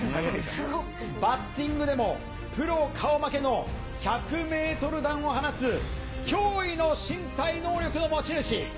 バッティングでもプロ顔負けの１００メートル弾を放つ、驚異の身体能力の持ち主。